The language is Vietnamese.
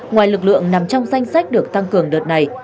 ngoài lực lượng nằm trong danh sách được tăng cường đợt này